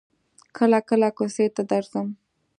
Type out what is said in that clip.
کله کله کوڅې ته درځم.